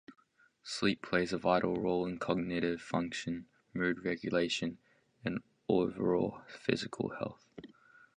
Sleep plays a vital role in cognitive function, mood regulation, and overall physical health.